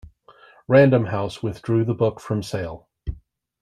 Random House withdrew the book from sale.